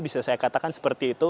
bisa saya katakan seperti itu